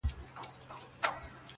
په سپين لاس کي يې دی سپين سگريټ نيولی~